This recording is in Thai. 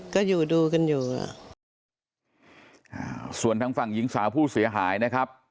ก็อยู่ดูกันอยู่อ่ะอ่าส่วนทางฝั่งหญิงสาวผู้เสียหายนะครับ